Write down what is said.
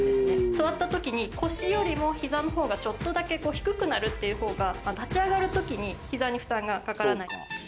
座ったときに腰よりも膝のほうがちょっとだけ低くなるっていうほうが、立ち上がるときに膝に負担がかからない。